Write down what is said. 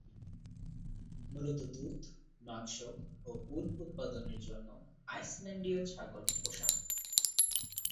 মূলত দুধ, মাংস ও উল উৎপাদনের জন্য আইসল্যান্ডীয় ছাগল পোষা হত।